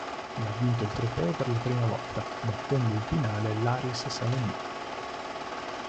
L' ha vinto il trofeo per la prima volta, battendo in finale l'Aris Salonicco.